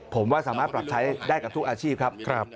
ผมว่าสามารถปรับใช้ได้กับทุกอาชีพครับ